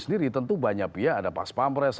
sendiri tentu banyak ya ada pak spampres